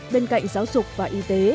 bên cạnh giáo dục và y tế